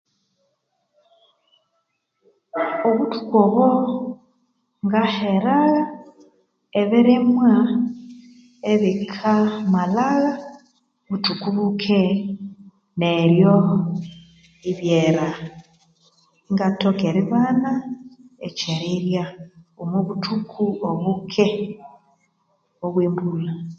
Obuthuko obo ngahera ebirimwa ebikamala obuthuko bike neryo ebyera engathoka eribana echerirwa omwobuthuko buke obwambula